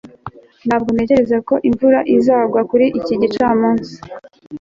ntabwo ntekereza ko imvura izagwa kuri iki gicamunsi